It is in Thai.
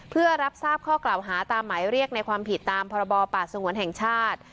เพื่อรับทราบข้อกล่าวหาตามหมายเรียกในความผิดตามพรบป่าสงวนแห่งชาติ